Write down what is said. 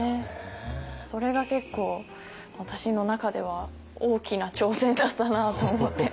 それが結構私の中では大きな挑戦だったなと思って。